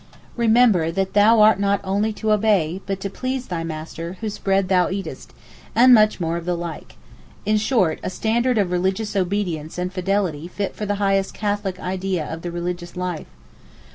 Remember that thou art not only to obey, but to please thy master, whose bread thou eatest;' and much more of the like. In short, a standard of religious obedience and fidelity fit for the highest Catholic idea of the 'religious life.